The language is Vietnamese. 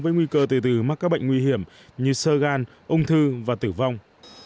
với nguy cơ từ từ mắc các bệnh nguy hiểm như sơ gan ung thư và tử vong